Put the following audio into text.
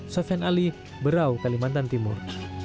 sofian ali berau kalimantan timur